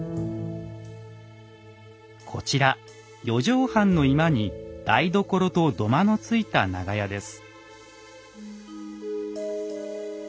こちら四畳半の居間に台所と土間のついた長屋です。